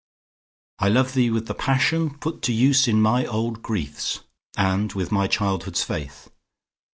I love thee with the passion put to use In my old griefs, and with my childhood's faith.